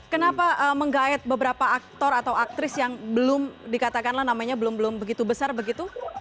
kenapa menggayat beberapa aktor atau aktris yang belum dikatakanlah namanya belum belum begitu besar begitu